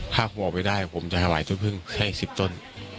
ถ้าผมออกไปได้ผมจะหวายต้นพึ่งให้สิบต้น